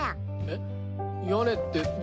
えっ！